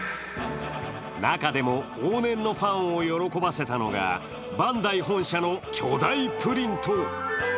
中でも往年のファンを喜ばせたのは、バンダイ本社の巨大プリント。